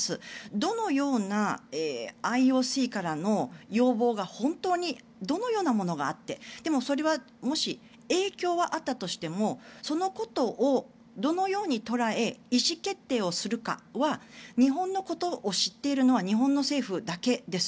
どのようなＩＯＣからの要望がどのようなものがあってでも、それはもし影響はあったとしてもそのことをどのように捉え意思決定をするかは日本のことを知っているのは日本の政府だけです。